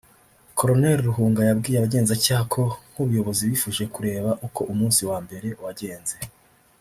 Col Ruhunga yabwiye abagenzacyaha ko nk’ubuyobozi bifuje kureba uko umunsi wa mbere wagenze